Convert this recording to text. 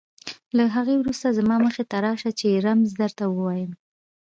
له هغې وروسته زما مخې ته راشه چې رمز درته ووایم.